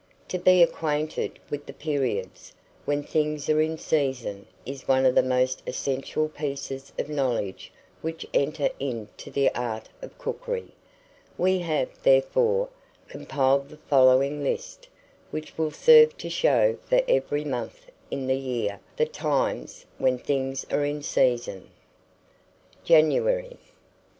TO BE ACQUAINTED WITH THE PERIODS when things are in season, is one of the most essential pieces of knowledge which enter into the "Art of Cookery." We have, therefore, compiled the following list, which will serve to show for every month in the year the TIMES WHEN THINGS ARE IN SEASON. JANUARY.